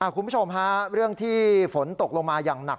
คุณผู้ชมฮะเรื่องที่ฝนตกลงมาอย่างหนัก